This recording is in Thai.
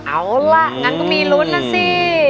เอาล่ะงั้นก็มีลุ้นนะสิ